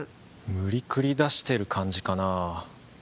無理くり出してる感じかなぁ